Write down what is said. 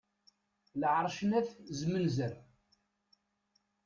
Lɛerc n At zmenzer.